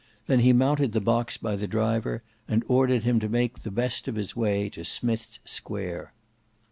Then he mounted the box by the driver and ordered him to make the best of his way to Smith's Square.